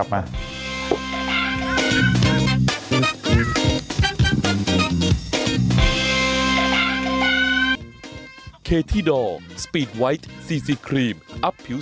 ไม่รู้อ่ะอีกแล้ว